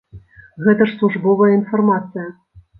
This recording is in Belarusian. Гэта ж службовая інфармацыя.